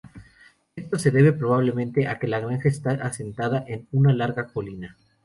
Esto se debe probablemente a que la granja está asentada en una larga colina.